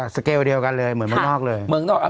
สเกลเดียวกันเลยเหมือนเมืองนอกเลย